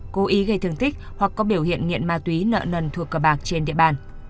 cố ý gây thương tích hoặc có biểu hiện nghiện ma túy nợ nần thuộc cờ bạc trên địa bàn